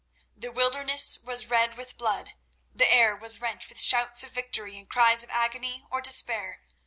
The wilderness was red with blood, the air was rent with shouts of victory and cries of agony or despair.